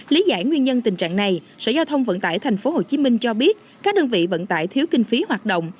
lý giải nguyên nhân tình trạng này sở giao thông vận tải tp hcm cho biết các đơn vị vận tải thiếu kinh phí hoạt động